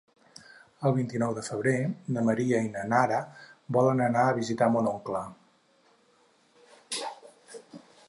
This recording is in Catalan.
El vint-i-nou de febrer na Maria i na Nara volen anar a visitar mon oncle.